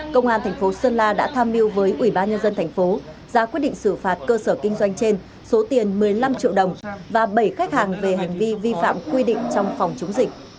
công an thành phố sơn la đã tham mưu với ủy ban nhân dân thành phố ra quyết định xử phạt cơ sở kinh doanh trên số tiền một mươi năm triệu đồng và bảy khách hàng về hành vi vi phạm quy định trong phòng chống dịch